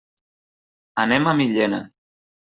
Anem a Millena.